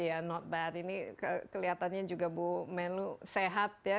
iya not bad ini kelihatannya juga bu melu sehat ya